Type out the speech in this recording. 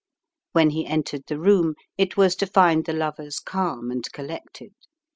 When he entered the room, it was to find the lovers calm and collected.